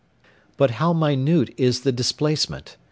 ] But how minute is the displacement!